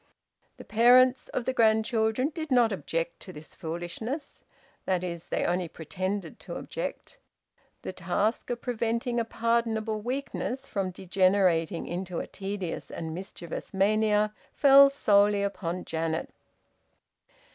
The parents of the grandchildren did not object to this foolishness that is, they only pretended to object. The task of preventing a pardonable weakness from degenerating into a tedious and mischievous mania fell solely upon Janet.